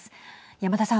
山田さん。